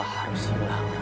aku harus pergi ke rumah